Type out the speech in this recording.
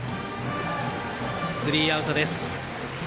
スリーアウトです。